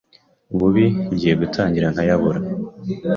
bubi ngiye gutangira nkayabura.